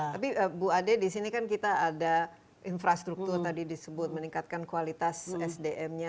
tapi bu ade di sini kan kita ada infrastruktur tadi disebut meningkatkan kualitas sdm nya